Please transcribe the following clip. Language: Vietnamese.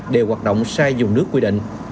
đều hoạt động sai dùng nước quy định